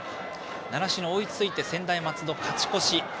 習志野、追いついて専大松戸、勝ち越し。